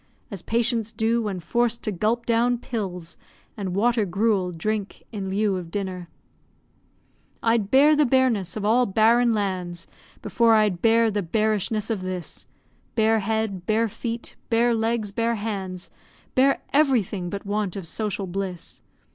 As patients do, when forced to gulp down pills, And water gruel drink in lieu of dinner). I'd bear the bareness of all barren lands Before I'd bear the bearishness of this; bear head, bear feet, bear legs, bear hands, bear everything, but want of social bliss.